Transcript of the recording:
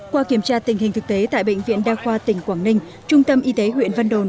qua kiểm tra tình hình thực tế tại bệnh viện đa khoa tỉnh quảng ninh trung tâm y tế huyện văn đồn